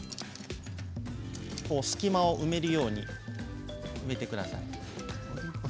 隙間を埋めるように植えてください。